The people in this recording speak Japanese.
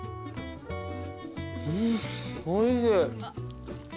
んおいしい！